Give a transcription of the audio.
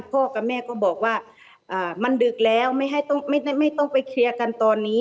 พ่อกับแม่ก็บอกว่าอ่ามันดึกแล้วไม่ให้ต้องไม่ได้ไม่ต้องไปเคลียร์กันตอนนี้